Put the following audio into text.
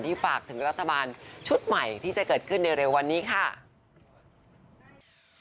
ฝากถึงรัฐบาลชุดใหม่ที่จะเกิดขึ้นในเร็ววันนี้ค่ะ